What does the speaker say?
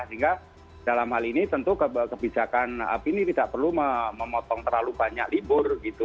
sehingga dalam hal ini tentu kebijakan api ini tidak perlu memotong terlalu banyak libur gitu